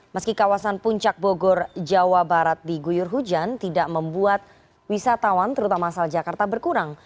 meski kawasan puncak bogor jawa barat diguyur hujan tidak membuat wisatawan terutama asal jakarta berkurang